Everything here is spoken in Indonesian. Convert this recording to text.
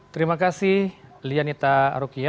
terima kasih lianita rukia